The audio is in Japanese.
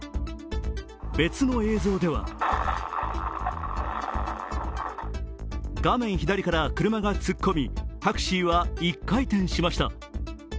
別の映像では画面左から車が突っ込み、タクシーは１回転しました。